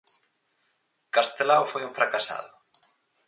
¿Castelao foi un fracasado?